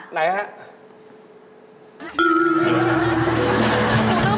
ไหนนะครับ